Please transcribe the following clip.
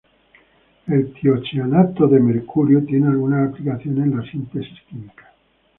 El tiocianato de mercurio tiene algunas aplicaciones en la síntesis química.